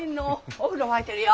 お風呂沸いてるよ。